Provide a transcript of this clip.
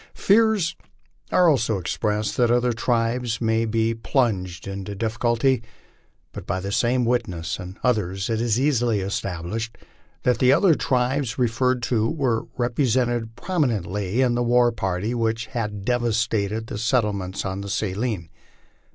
Fears are also expressed that other tribes may be plunged into difficulty, but by the same witness and others it is easily established that the other tribes re ferred to were represented prominently in the war party which had devastated the settlements on the Saline.